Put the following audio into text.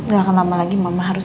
gak akan lama lagi mama harus